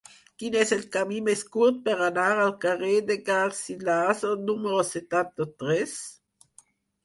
Quin és el camí més curt per anar al carrer de Garcilaso número setanta-tres?